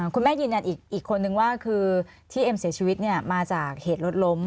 ยืนยันอีกคนนึงว่าคือที่เอ็มเสียชีวิตมาจากเหตุรถล้ม